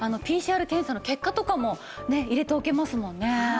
あのＰＣＲ検査の結果とかもねっ入れておけますもんね。